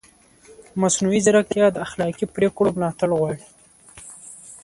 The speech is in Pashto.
مصنوعي ځیرکتیا د اخلاقي پرېکړو ملاتړ غواړي.